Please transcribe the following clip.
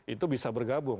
itu bisa bergabung